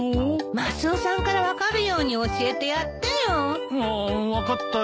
マスオさんから分かるように教えてやってよ。わ分かったよ。